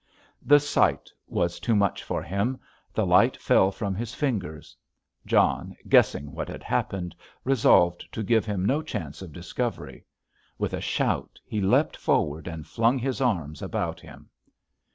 The sight was too much for him, the light fell from his fingers. John, guessing what had happened, resolved to give him no chance of discovery. With a shout he leapt forward and flung his arms about him.